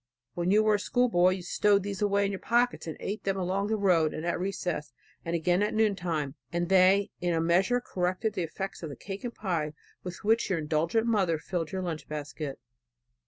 When you were a school boy you stowed these away in your pockets and ate them along the road and at recess, and again at noon time; and they, in a measure, corrected the effects of the cake and pie with which your indulgent mother filled your lunch basket.